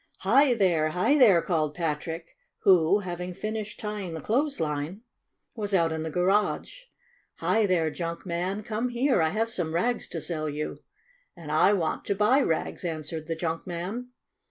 "Hi there ! Hi there !" called Patrick, who, having finished tying the clothes line, 90 STORY OF A SAWDUST DOLL was out in the garage. "Hi there, junk man ! Come here ! I have some rags to sell you!" "And I want to buy rags," answered the junk man.